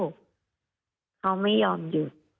เขาไม่ยอมหยุด